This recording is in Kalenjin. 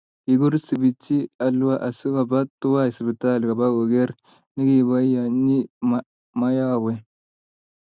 Kikur Sifichi alua asikoba tuwai sipitali koba koker nekiboiyonyi mayowe